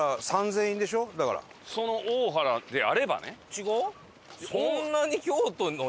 違う？